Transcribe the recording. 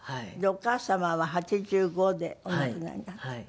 お母様は８５でお亡くなりになった。